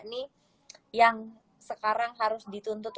ini yang sekarang harus dituntut